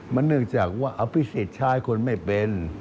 มันเนื่องจากว่าอภิเศษชายคนไม่เป็น